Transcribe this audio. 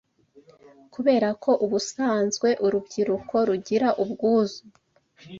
Kubera ko ubusanzwe urubyiruko rugira ubwuzu